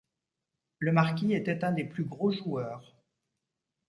Le marquis était un des plus gros joueurs.